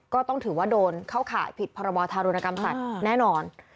ก็ต้องถือว่าโดนเข้าข่ายผิดพรบธารุณกรรมสัตว์แน่นอน